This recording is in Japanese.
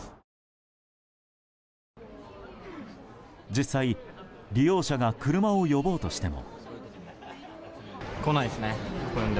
実際、利用者が車を呼ぼうとしても。